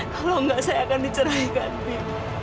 kalau enggak saya akan dicerahkan bi